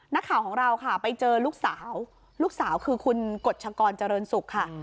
นักข่าวของเราค่ะไปเจอลูกสาวลูกสาวคือคุณกฎชกรเจริญสุขค่ะ